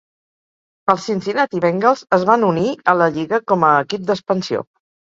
Els Cincinnati Bengals es van unir a la lliga com a equip d'expansió.